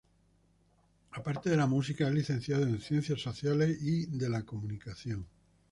Aparte de la música, es licenciado en Ciencias Sociales y de la Comunicación.